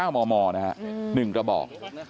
๙หม่อนะฮะ๑ระบอก